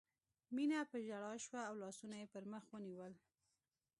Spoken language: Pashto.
مينه په ژړا شوه او لاسونه یې پر مخ ونیول